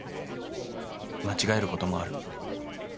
間違えることもある。